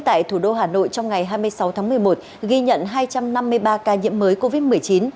tại thủ đô hà nội trong ngày hai mươi sáu tháng một mươi một ghi nhận hai trăm năm mươi ba ca nhiễm mới covid một mươi chín